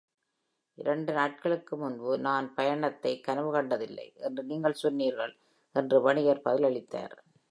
"இரண்டு நாட்களுக்கு முன்பு, நான் பயணத்தை கனவு கண்டதில்லை என்று நீங்கள் சொன்னீர்கள்" என்று வணிகர் பதிலளித்தார்.